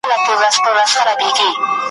اوس به له چا سره کیسه د شوګیریو کوم `